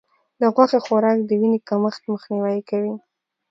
د غوښې خوراک د وینې کمښت مخنیوی کوي.